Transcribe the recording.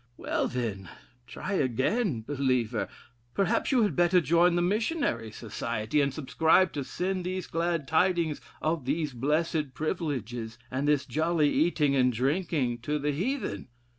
Well, then! try again, believer: perhaps you had better join the Missionary Society, and subscribe to send these glad tidings of these blessed privileges, and this jolly eating and drinking, to the Heathen.